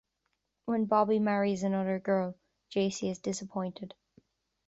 When Bobby marries another girl, Jacy is disappointed.